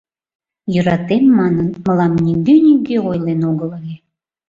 — Йӧратем манын, мылам нигӧ-нигӧ ойлен огыл ыле...